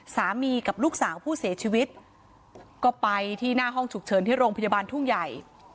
สามีกับลูกสาวผู้เสียชีวิตก็ไปที่หน้าห้องฉุกเฉินที่โรงพยาบาลทุ่งใหญ่